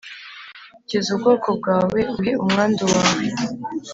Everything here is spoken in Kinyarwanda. Kiza ubwoko bwawe uhe umwandu wawe